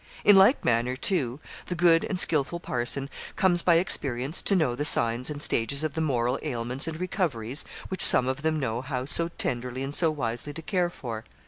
In like manner, too, the good and skilful parson comes by experience to know the signs and stages of the moral ailments and recoveries which some of them know how so tenderly and so wisely to care for.